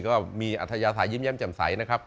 ก็มีอัธยาศัยยิ้มแย้มแจ่มใสนะครับ